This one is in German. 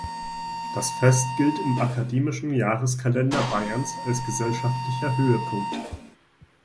Das Fest gilt im akademischen Jahreskalender Bayerns als gesellschaftlicher Höhepunkt.